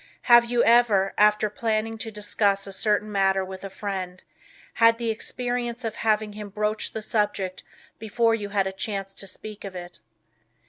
Have you ever, after planning to discuss a certain matter with a friend, had the experience of having him broach the subject before you had a chance to speak of it?